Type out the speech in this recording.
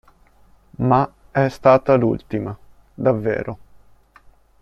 Ma è stata l'ultima, davvero.